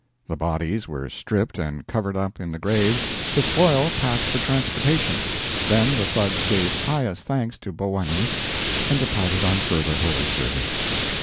The bodies were stripped and covered up in the graves, the spoil packed for transportation, then the Thugs gave pious thanks to Bhowanee, and departed on further holy service.